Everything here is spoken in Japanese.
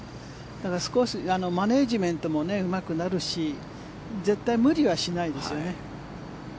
だからマネジメントもうまくなるし絶対無理はしないですよね。